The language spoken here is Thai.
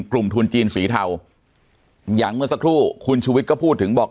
กลุ่มทุนจีนสีเทาอย่างเมื่อสักครู่คุณชุวิตก็พูดถึงบอก